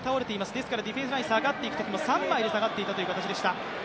ですからディフェンスラインが下がっていくときも３枚で下がっている状況でした。